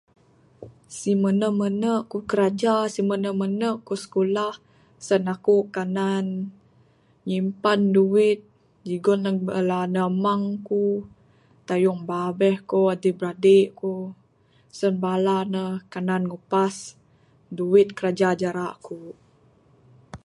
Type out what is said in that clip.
Simene mene ku kraja simene mene ku skulah sen aku kanan nyimpan duit jugon neg bala ande amang ku tayung babeh ku adik bradik ku Sen bala ne kanan ngupas duit kraja jara aku.